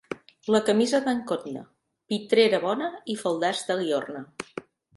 La camisa d'en Cotna: pitrera bona i faldars de Liorna.